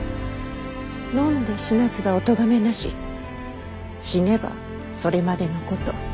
飲んで死なずばおとがめなし死ねばそれまでのこと。